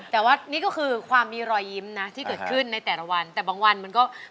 แต่ว่านี่ก็คือความมีรอยยิ้มนะที่เกิดขึ้นในแต่ละวันแต่บางวันมันก็